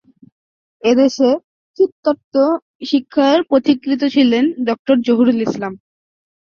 এ দেশে কীটতত্ত্ব শিক্ষার পথিকৃৎ ছিলেন ড. জহুরুল আলম।